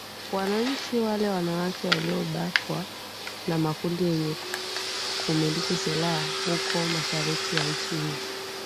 wananchi wale wanawake waliobakwa na makundi yenye kumiliki silaha huku mashariki ya nchi hiyo